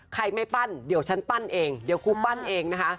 ใครไม่ปั้นเดี๋ยวฉันปั้นเองเดี๋ยวครูปั้นเองนะคะ